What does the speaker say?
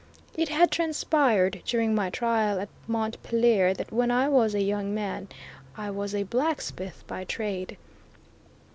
It had transpired during my trial at Montpelier, that when I was a young man, I was a blacksmith by trade.